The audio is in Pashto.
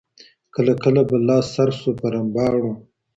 کله کله به لا سر سو په رمباړو